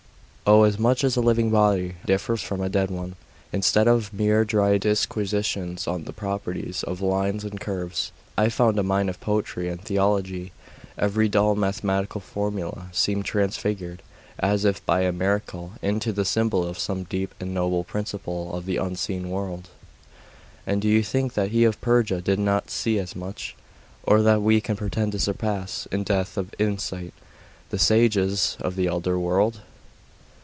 'Oh, as much as a living body differs from a dead one. Instead of mere dry disquisitions on the properties of lines and curves, I found a mine of poetry and theology. Every dull mathematical formula seemed transfigured, as if by a miracle, into the symbol of some deep and noble principle of the unseen world.' 'And do you think that he of Perga did not see as much? or that we can pretend to surpass, in depth of insight, the sages of the elder world?